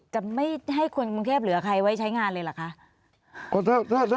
จะไม่ให้คนกรุงเทพเหลือใครไว้ใช้งานเลยเหรอคะ